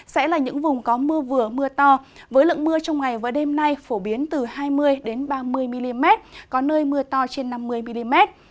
sẽ là những vùng có mưa vừa mưa to với lượng mưa trong ngày và đêm nay phổ biến từ hai mươi ba mươi mm có nơi mưa to trên năm mươi mm